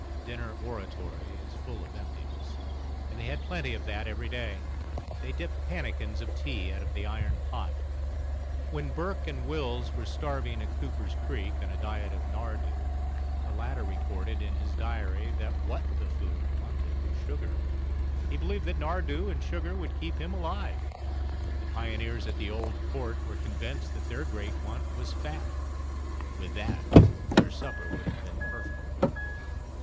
Dinner oratory is full of emptiness and they had plenty of that every day. They dipped pannikins of tea out of the iron pot. When Burke and Wills were starving at Cooper's Creek on a diet of nardoo, the latter recorded in his diary that what the food wanted was sugar; he believed that nardoo and sugar would keep him alive. The pioneers at the Old Port were convinced that their great want was fat; with that their supper would have been perfect.